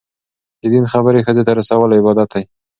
د دین خبرې ښځو ته رسول عبادت دی.